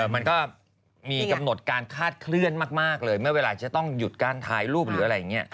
มันก็มีกำหนดการคาดเคลื่อนมากเลยเมื่อเวลาจะต้องหยุดการถ่ายรูปหรืออะไรอย่างนี้